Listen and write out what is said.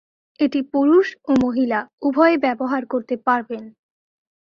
এটি পুরুষ ও মহিলা উভয়েই ব্যবহার করতে পারবেন।